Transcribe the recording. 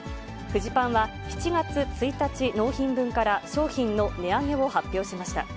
フジパンは７月１日納品分から、商品の値上げを発表しました。